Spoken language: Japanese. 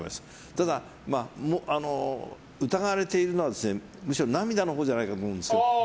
ただ、疑われているのはむしろ涙のほうじゃないかと思うんですよ。